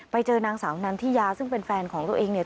ไปเจอนางสาวนันทิยาซึ่งเป็นแฟนของตัวเองเนี่ย